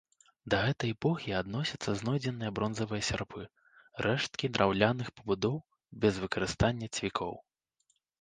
Да гэтай эпохі адносяцца знойдзеныя бронзавыя сярпы, рэшткі драўляных пабудоў без выкарыстання цвікоў.